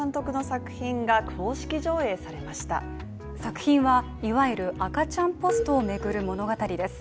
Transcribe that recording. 作品は、いわゆる赤ちゃんポストをめぐる物語です。